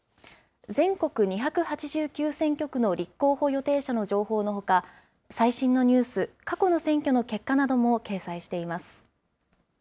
全国２８９選挙区の立候補予定者の情報のほか、最新のニュース、過去の選挙の結果なども掲載しています。